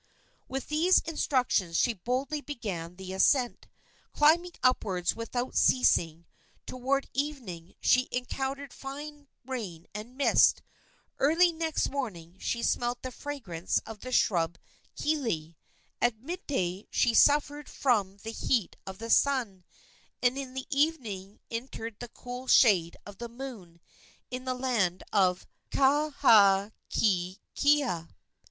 With these instructions she boldly began the ascent. Climbing upward without ceasing, toward evening she encountered fine rain and mist; early next morning she smelt the fragrance of the shrub kiele; at midday she suffered from the heat of the sun, and in the evening entered the cool shade of the Moon, in the land of Kahakaekaea.